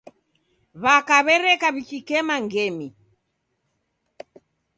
W'aka w'ereka w'ikikema ngemi.